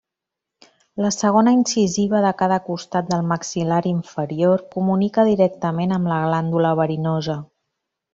La segona incisiva de cada costat del maxil·lar inferior comunica directament amb la glàndula verinosa.